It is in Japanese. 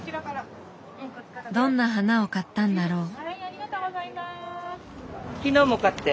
どんな花を買ったんだろう？